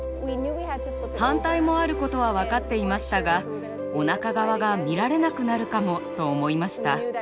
反対もあることは分かっていましたがおなか側が見られなくなるかもと思いました。